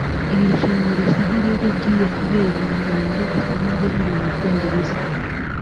Irushanwa risa nk’iri rigiye kubera mu Rwanda risanzwe riba mu Bwongereza